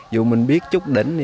dù mình biết chút đỉnh